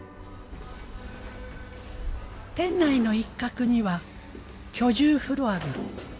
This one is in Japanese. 店内の一角には居住フロアが。